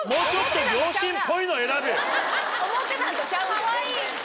かわいい。